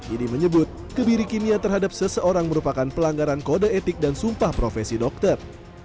idi menyebut kebiri kimia terhadap seseorang merupakan pelanggaran kode etik dan sumpah profesi dokter